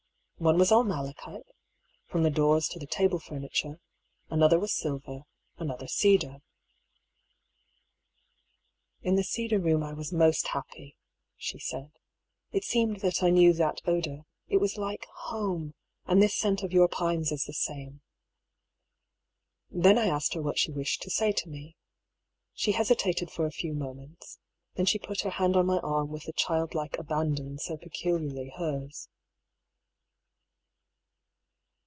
One was all malachite, from the doors to the table furniture ; another was silver, another cedar. 262 I>R PAULL'S THEORY. " In the cedar room I was most happy," she said ;" it seemed that I knew that odour, it was like Jiome^ and this scent of your pines is the same." Then I asked her what she wished to say to me. She hesitated for a few moments. Then she put her hand on my arm with the childlike abandon so pecul iarly hers.